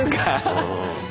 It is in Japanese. うん。